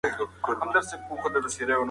په ښارونو کې هم زعفران پلورل کېږي.